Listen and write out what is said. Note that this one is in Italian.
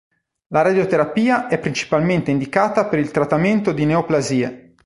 La radioterapia è principalmente indicata per il trattamento di neoplasie.